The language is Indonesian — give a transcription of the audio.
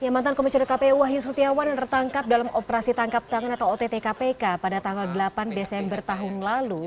mantan komisioner kpu wahyu setiawan yang tertangkap dalam operasi tangkap tangan atau ott kpk pada tanggal delapan desember tahun lalu